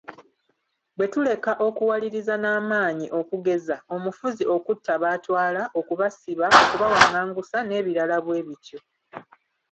Bwe tuleka okuwaliriza n'amaanyi, okugeza: Omufuzi okutta b'atwala, okubasiba, okubawangangusa, n'ebirala bwe bityo.